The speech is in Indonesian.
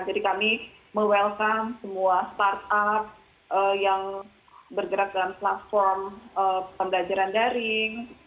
jadi kami mewelcome semua startup yang bergerak dalam platform pembelajaran daring